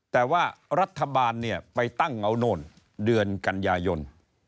แต่ว่ารัฐบาลไปตั้งเอานวลเดือนกัญญายน